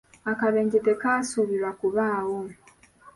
Akabenje tekasuubirwa kubaawo.